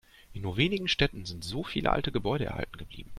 In nur wenigen Städten sind so viele alte Gebäude erhalten geblieben.